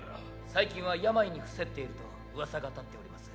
最近は病に臥せっていると噂が立っております。